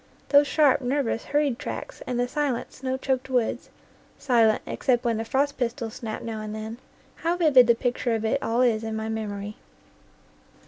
Those sharp, nervous, hurried tracks and the silent, snow choked woods, silent except when the frost pistols snapped now and then, how vivid the picture of it all is in my memory!